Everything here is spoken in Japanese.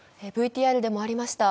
ＶＴＲでもありました